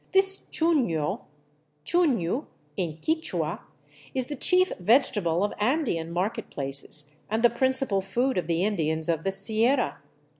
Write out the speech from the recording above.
This chuno — chttnu, in Quichua — is the chief vegetable of Andean market places and the principal food of the Indians of the Sierra.